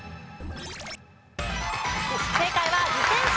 正解は自転車。